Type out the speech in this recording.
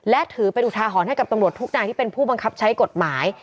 และถือเป็นอุทาหรณ์ให้กับตำรวจทุกนายที่เป็นผู้บังคับใช้กฎหมาย